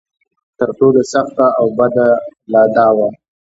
تر ټولو سخته او بده لا دا وه.